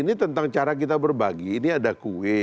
ini tentang cara kita berbagi ini ada kue